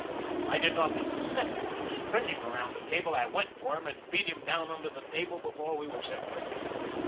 I did not lose a second, and, spring ing around the table, I went for him and beat him down under the table before we were separated.